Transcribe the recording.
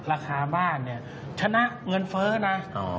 ราคาบ้านชนะเงินเฟอร์นะ